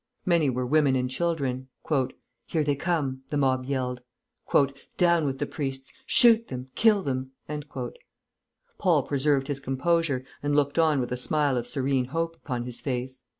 Many were women and children. "Here they come!" the mob yelled. "Down with the priests! shoot them! kill them!" Paul preserved his composure, and looked on with a smile of serene hope upon his face.